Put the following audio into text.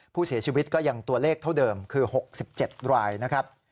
ผู้เสียชีวิตก็ยังตัวเลขเท่าเดิมคือ๖๗รายนะครับ